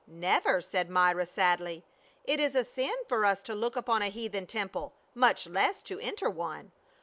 " Never," said Myra sadly. " It is a sin for us to look upon a heathen temple, much less to enter one.